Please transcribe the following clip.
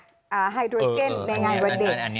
ไฮโดรเจนในงานวันเด็ก